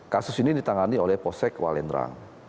kasus ini ditangani oleh posek walendrang